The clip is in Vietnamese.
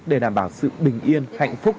để đảm bảo sự bình yên hạnh phúc